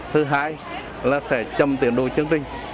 thứ hai là sẽ chậm tiền đôi chương trình